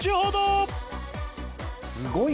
あすごい。